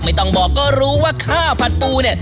ไม่ต้องบอกก็รู้ว่าข้าวผัดปูเนี่ย